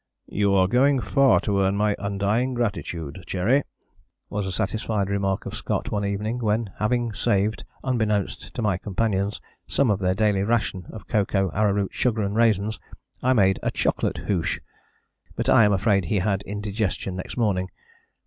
"You are going far to earn my undying gratitude, Cherry," was a satisfied remark of Scott one evening when, having saved, unbeknownst to my companions, some of their daily ration of cocoa, arrowroot, sugar and raisins, I made a "chocolate hoosh." But I am afraid he had indigestion next morning.